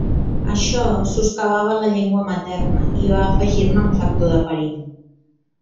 Això soscavava la llengua materna i va afegir-ne un factor de perill.